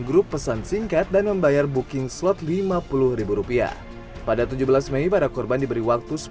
grup pesan singkat dan membayar booking slot lima puluh rupiah pada tujuh belas mei para korban diberi waktu